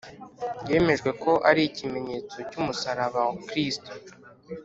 yemejwe ko ari ikimenyetso cy umusaraba wa Kristo